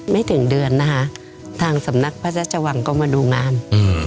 ไม่ถึงเดือนนะคะทางสำนักพระราชวังก็มาดูงาน